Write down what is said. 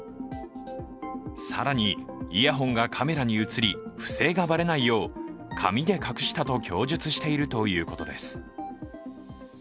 更に、イヤホンがカメラに映り不正がばれないよう髪で隠したと供述しているということです。